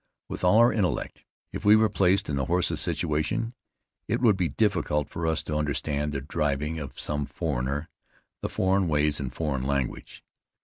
With all our intellect, if we were placed in the horse's situation, it would be difficult for us to understand the driving of some foreigner, of foreign ways and foreign language.